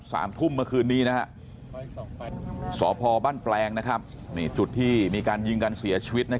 สามทุ่มเมื่อคืนนี้สพบ้านแปลงจุดที่มีการยิงกันเสียชีวิต